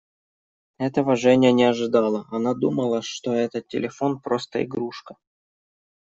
Этого Женя не ожидала; она думала, что этот телефон просто игрушка.